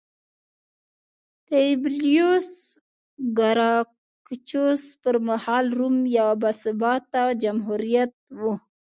تیبریوس ګراکچوس پرمهال روم یو باثباته جمهوریت و